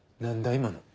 今の。